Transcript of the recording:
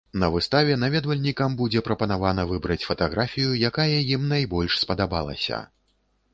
На выставе наведвальнікам будзе прапанавана выбраць фатаграфію, якая ім найбольш спадабалася.